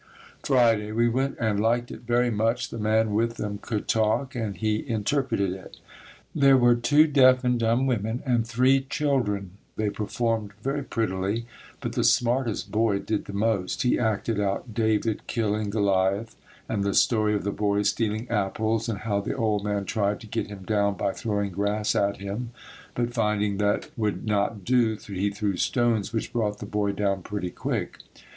Friday. We went and liked it very much. The man with them could talk and he interpreted it. There were two deaf and dumb women and three children. They performed very prettily, but the smartest boy did the most. He acted out David killing Goliath and the story of the boy stealing apples and how the old man tried to get him down by throwing grass at him, but finding that would not do, he threw stones which brought the boy down pretty quick.